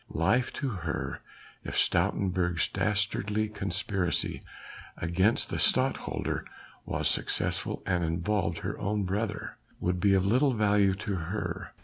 Life to her, if Stoutenburg's dastardly conspiracy against the Stadtholder was successful and involved her own brother, would be of little value to her.